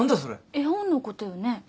絵本のことよね。